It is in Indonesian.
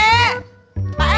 kayak panduan suara